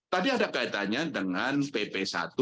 tadi ada kaitannya dengan pp satu dua ribu sembilan belas